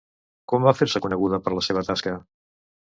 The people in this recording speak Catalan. Quan va fer-se conegut per la seva tasca?